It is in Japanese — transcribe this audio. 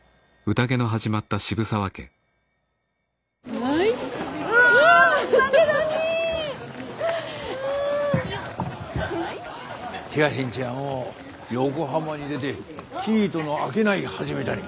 東の家はもう横浜に出て生糸の商い始めたに。